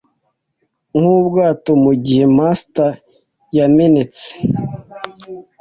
Nkubwato mugihe mast yamenetse